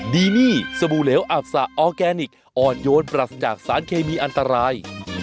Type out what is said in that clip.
ดีนี่สบู่เหลวอับสะออร์แกนิคอ่อนโยนปรัสจากสารเคมีอันตราย